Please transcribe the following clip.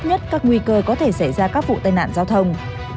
nhất các nguy cơ có thể xảy ra các vụ tai nạn giao thông